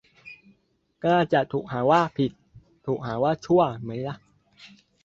กล้าจะ ถูกหาว่า 'ผิด' ถูกหาว่า 'ชั่ว' ไหมล่ะ